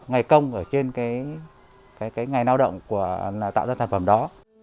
ngày công ở trên cái ngày lao động tạo ra sản phẩm đó